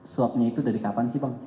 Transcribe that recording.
swabnya itu dari kapan sih bang